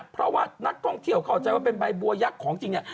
เพราะว่านักท่องเที่ยวเข้าใจว่าเป็นใบบัวยักษ์ของจริงเนี่ย